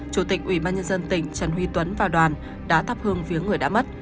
chủ tịch ủy ban nhân dân tỉnh trần huy tuấn và đoàn đã thắp hương viếng người đã mất